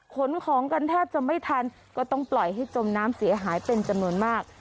ขนของกันแทบจะไม่ทันก็ต้องปล่อยให้จมน้ำเสียหายเป็นจำนวนมาก